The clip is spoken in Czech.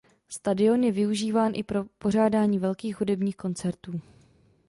Stadión je využíván i pro pořádání velkých hudebních koncertů.